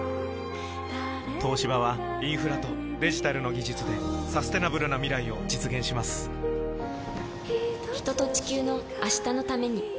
東芝はインフラとデジタルの技術でサステナブルな未来を実現します人と、地球の、明日のために。